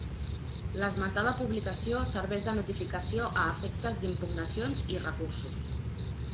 L'esmentada publicació serveix de notificació a efectes d'impugnacions i recursos.